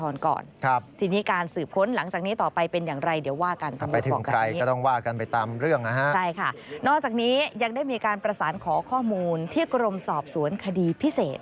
นอกจากนี้ยังได้มีการประสานขอข้อมูลที่กรมสอบสวนคดีพิเศษ